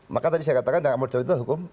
maka tadi saya katakan yang amal jalin itu hukum